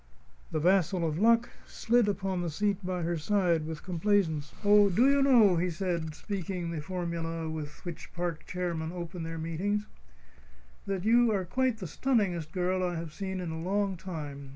The vassal of Luck slid upon the seat by her side with complaisance. "Do you know," he said, speaking the formula with which park chairmen open their meetings, "that you are quite the stunningest girl I have seen in a long time?